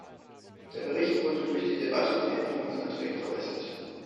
Der Bericht wurde durch die Debatte und die Änderungsanträge verbessert.